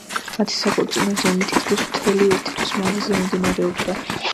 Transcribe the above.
მათი საქორწინო ზეიმი თითქმის მთელი ერთი თვის მანძილზე მიმდინარეობდა.